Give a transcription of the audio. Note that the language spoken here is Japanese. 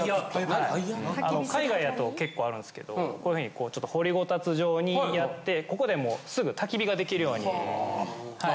あの海外やと結構あるんすけどこういうふうにちょっと掘りごたつ状にやってここでもうすぐたき火ができるようにはい。